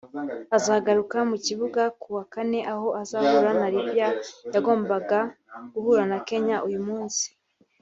azagaruka mu kibuga ku wa kane aho azahura na Libya yagombaga guhura na Kenya uyu munsi